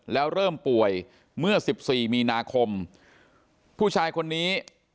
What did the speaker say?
แล้วเริ่มป่วยเมื่อสิบสี่มีนาคมผู้ชายคนนี้